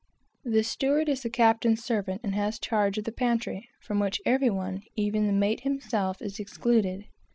The steward is the captain's servant, and has charge of the pantry, from which every one, even the mate himself, is excluded.